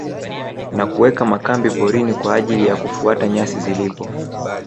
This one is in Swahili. Na kuweka makambi porini kwa ajili ya kufuata nyasi zilipo